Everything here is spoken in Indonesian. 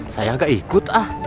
saya gak ikut ah